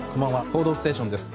「報道ステーション」です。